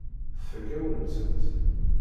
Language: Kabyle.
Tfakk-awen-tent.